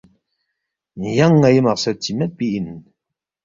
ینگ ن٘ئی مقصد چی میدپی اِن